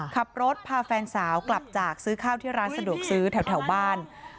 ขับรถพาแฟนสาวกลับจากซื้อข้าวที่ร้านสะดวกซื้อแถวบ้าน